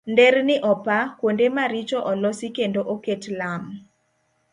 Nderni opa, kuonde maricho olosi kendo oket lam.